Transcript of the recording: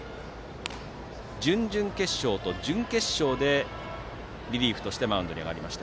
準々決勝と準決勝でリリーフとしてマウンドに上がりました。